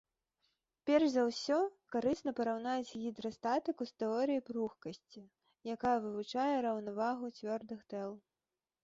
Перш за ўсё, карысна параўнаць гідрастатыку з тэорыяй пругкасці, якая вывучае раўнавагу цвёрдых тэл.